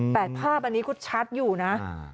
แต่ภาพอันนี้ก็ชัดอยู่นะ